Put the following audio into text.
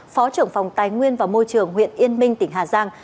phó trưởng phòng tài nguyên và môi trường huyện yên minh tỉnh hà giang